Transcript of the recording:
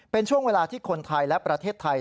เป็นช่วงเวลาที่คนไทยและประเทศไทย